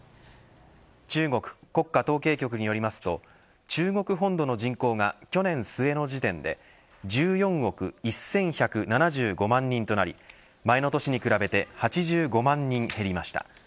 中国国家統計局によりますと中国本土の人口は去年末の時点で１４億１１７５万人となり前の年に比べて８５万人減りました。